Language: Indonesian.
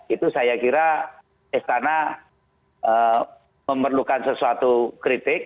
itu saya kira istana memerlukan sesuatu kritik